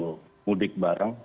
menyiapkan untuk mudik barang